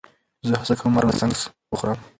زه هڅه کوم هره ورځ سنکس وخورم.